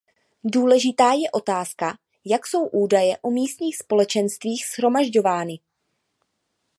Důležitá je otázka, jak jsou údaje o místních společenstvích shromažďovány.